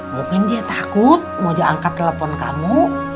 mungkin dia takut mau dia angkat telepon kamu